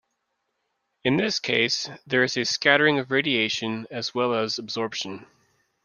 In this case, there is scattering of radiation as well as absorption.